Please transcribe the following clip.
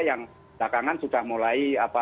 yang takangan sudah mulai